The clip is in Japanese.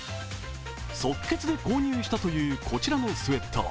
即決で購入したというこちらのスエット。